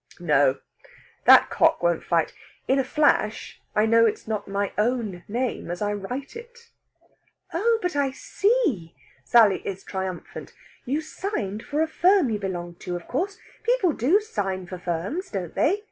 "No! That cock won't fight. In a flash, I know it's not my own name as I write it." "Oh, but I see!" Sally is triumphant. "You signed for a firm you belonged to, of course. People do sign for firms, don't they?"